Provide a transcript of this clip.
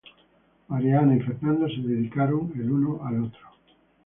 María Ana y Fernando se dedicaron el uno al otro.